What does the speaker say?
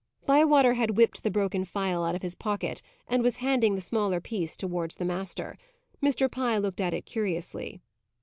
Bywater had whipped the broken phial out of his pocket, and was handing the smaller piece towards the master. Mr. Pye looked at it curiously.